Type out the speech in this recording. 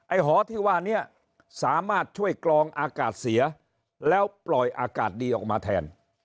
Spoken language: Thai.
หอที่ว่านี้สามารถช่วยกรองอากาศเสียแล้วปล่อยอากาศดีออกมาแทน